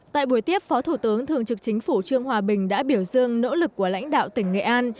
tại buổi tiếp phó thủ tướng thường trực chính phủ trương hòa bình đã biểu dương nỗ lực của lãnh đạo tỉnh nghệ an